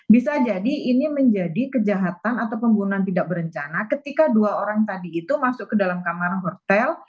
bisa jadi ini menjadi kejahatan atau pembunuhan tidak berencana ketika dua orang tadi itu masuk ke dalam kamar hotel